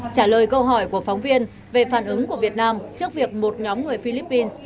trả lời câu hỏi của phóng viên về phản ứng của việt nam trước việc một nhóm người philippines